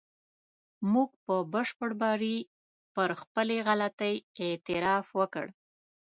موږ په بشپړ بري پر خپلې غلطۍ اعتراف وکړ.